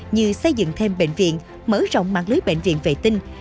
như xây dựng thêm bệnh viện mở rộng mạng lưới bệnh viện vệ tinh